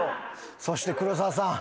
そして黒沢さん。